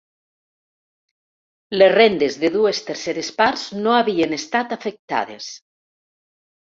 Les rendes de dues terceres parts no havien estat afectades.